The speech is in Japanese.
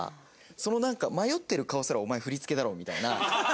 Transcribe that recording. そのなんか迷ってる顔すらお前振り付けだろみたいな。